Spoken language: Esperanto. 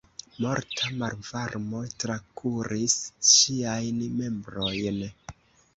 Morta malvarmo trakuris ŝiajn membrojn.